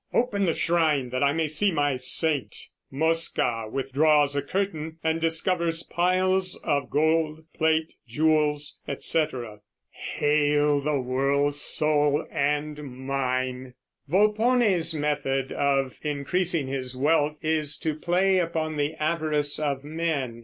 Open the shrine that I may see my saint. (Mosca withdraws a curtain and discovers piles of gold, plate, jewels, etc.) Hail the world's soul, and mine! Volpone's method of increasing his wealth is to play upon the avarice of men.